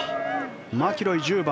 マキロイ、１０番。